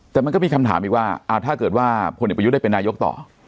แต่มันก็มีคำถามอีกว่าถ้าเกิดว่าพลเอกประยุทธ์ได้เป็นนายกต่อ